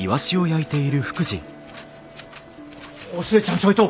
お寿恵ちゃんちょいと！